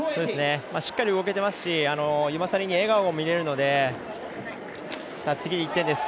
しっかり動けていますしユマサリに笑顔が見れるので次、１点です。